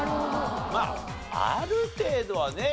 まあある程度はね